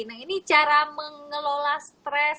nah ini cara mengelola stres